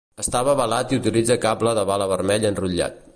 Està avalat i utilitza cable de bala vermell enrotllat.